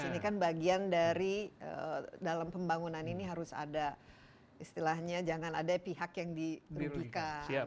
ini kan bagian dari dalam pembangunan ini harus ada istilahnya jangan ada pihak yang dirugikan